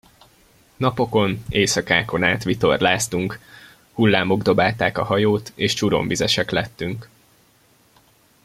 Napokon, éjszakákon át vitorláztunk; hullámok dobálták a hajót, és csuromvizesek lettünk.